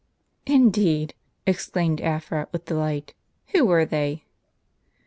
" Indeed! " exclaimed Afra with delight, "who were they ?